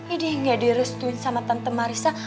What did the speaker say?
ini gak direstuin sama tante marisa